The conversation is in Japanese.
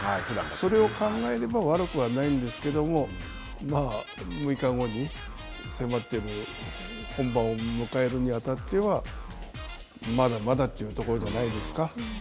それを考えれば悪くはないんですけども、６日後に迫っている本番を迎えるに当たってはまだまだというところじゃないですか。